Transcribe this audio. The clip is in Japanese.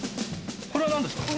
これはなんですか？